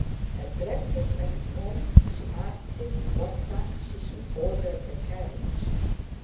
At breakfast next morning she asked him what time she should order the carriage.